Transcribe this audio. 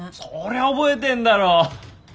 そりゃ覚えてんだろ。